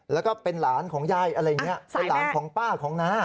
แล้วก็เป็นหลานของยายอะไรอย่างนี้เป็นหลานของป้าของน้า